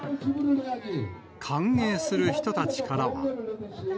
歓迎する人たちからは。